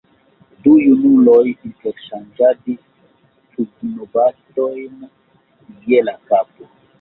Du junuloj interŝanĝadis pugnobatojn je la kapo.